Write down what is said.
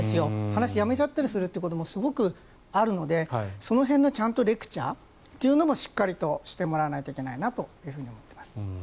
話をやめちゃったりすることもすごくあるのでその辺のちゃんとレクシャーというのもしっかりとしてもらわないといけないなと思っています。